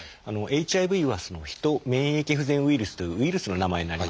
ＨＩＶは「ヒト免疫不全ウイルス」というウイルスの名前になります。